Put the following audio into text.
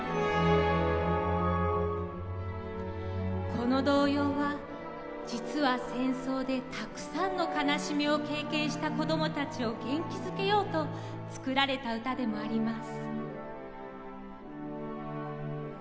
この童謡は実は戦争でたくさんの悲しみを経験した子供たちを元気づけようと作られた歌でもあります。